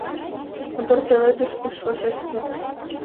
Мотор пеледыш ыш вашеште.